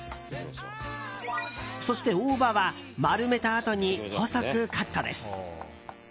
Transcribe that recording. そして、大葉は丸めたあとに細くカットです。